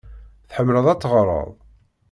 Tḥemmleḍ ad teɣreḍ?